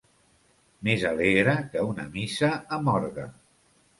Més alegre que una missa amb orgue.